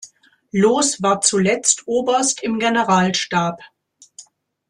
Loos war zuletzt Oberst im Generalstab.